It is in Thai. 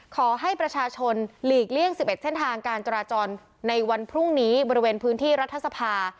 ขอให้ประชาชนหลีกเลี่ยง๑๑เส้นทางการจราจรในวันพรุ่งนี้บริเวณพื้นที่รัฐสภา